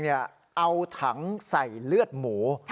เอาถังใส่เลือดหมู